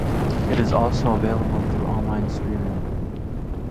It is also available through online streaming.